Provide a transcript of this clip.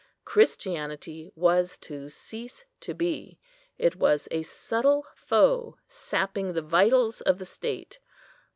Christianity was to cease to be. It was a subtle foe, sapping the vitals of the state.